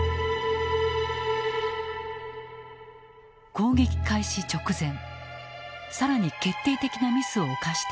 攻撃開始直前更に決定的なミスを犯していた。